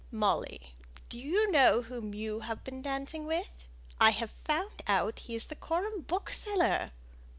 Molly, do you know whom you have been dancing with? I have found out he is the Coreham bookseller."